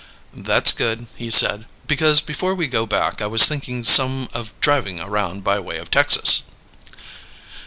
"That's good," he said, "because before we go back I was thinking some of driving around by way of Texas."